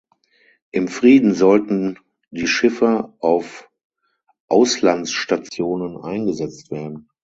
Im Frieden sollten die Schiffe auf Auslandsstationen eingesetzt werden.